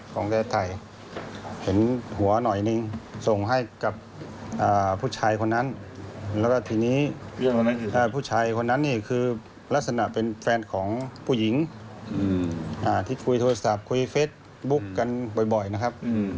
ก็เป็นสิทธิ์ของเขานะ